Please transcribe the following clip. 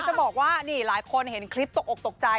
จะบอกว่านี่หลายคนเห็นคลิปตกอกตกใจ